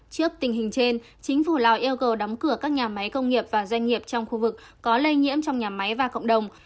trước tình hình trên chính phủ lào yêu cầu đóng cửa các nhà máy công nghiệp và doanh nghiệp trong khu vực có lây nhiễm trong nhà máy và cộng đồng